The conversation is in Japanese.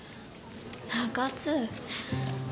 中津。